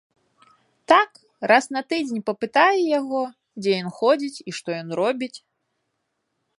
Так, раз на тыдзень папытае яго, дзе ён ходзіць і што ён робіць.